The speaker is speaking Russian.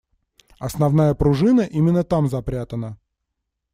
Основная пружина именно там запрятана.